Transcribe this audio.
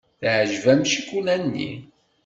Teɛjeb-am ccikula-nni.